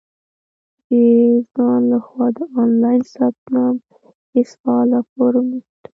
• د ځان له خوا د آنلاین ثبت نام هېڅ فعاله فورم نشته.